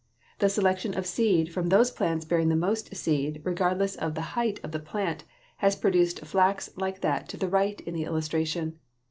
The selection of seed from those plants bearing the most seed, regardless of the height of the plant, has produced flax like that to the right in the illustration.